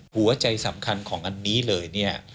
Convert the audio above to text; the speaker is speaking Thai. หัวใจสำคัญของอันนี้เลย